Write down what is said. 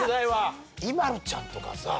ＩＭＡＬＵちゃんとかさ